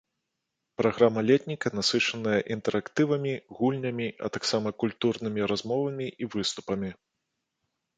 Праграма летніка насычаная інтэрактывамі, гульнямі, а таксама культурнымі размовамі і выступамі.